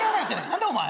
何だお前。